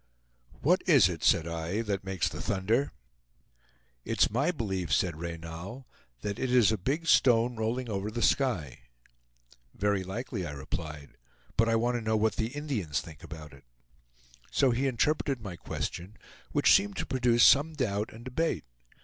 "What is it," said I, "that makes the thunder?" "It's my belief," said Reynal, "that it is a big stone rolling over the sky." "Very likely," I replied; "but I want to know what the Indians think about it." So he interpreted my question, which seemed to produce some doubt and debate.